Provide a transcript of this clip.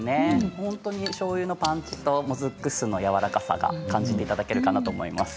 おしょうゆのパンチともずく酢のやわらかさを感じていただけると思います。